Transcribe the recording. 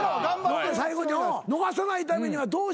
最後に逃さないためにはどうしたらいいか。